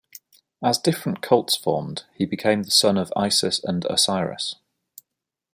As different cults formed, he became the son of Isis and Osiris.